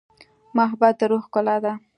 محبت د روح ښکلا ده.